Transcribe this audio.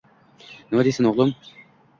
— Nima deysan, o'g'lim.